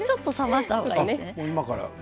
今から？